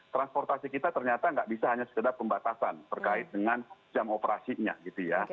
transportasi kita ternyata nggak bisa hanya sekedar pembatasan terkait dengan jam operasinya gitu ya